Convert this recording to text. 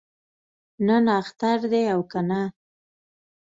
نن اختر دی او کنه؟